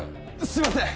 すいません！